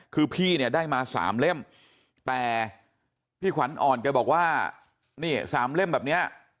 คือพี่เนี่ยได้มาสามเล่มแต่พี่ขวัญอ่อนแกบอกว่านี่สามเล่มแบบเนี้ย